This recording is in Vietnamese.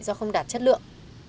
do không đạt chất lượng